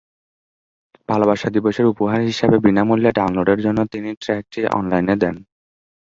ভালোবাসা দিবসের উপহার হিসাবে বিনামূল্যে ডাউনলোডের জন্য তিনি ট্র্যাকটি অনলাইনে দেন।